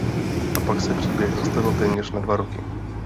A pak se příběh zastavil téměř na dva roky.